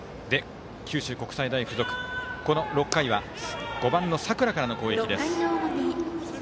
九州国際大付属、この６回は５番の佐倉からの攻撃です。